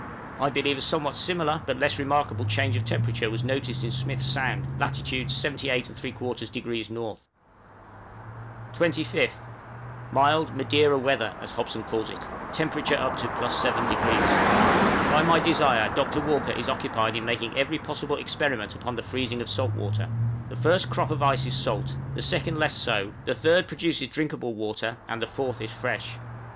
I believe a somewhat similar, but less remarkable, change of temperature was noticed in Smith's Sound, lat. 78 3/4° N. 25th. Mild "Madeira weather," as Hobson calls it, temperature up to +7°. By my desire Dr. Walker is occupied in making every possible experiment upon the freezing of salt water; the first crop of ice is salt, the second less so, the third produces drinkable water, and the fourth is fresh.